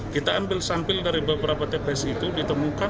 kita ambil sampel dari beberapa tps itu ditemukan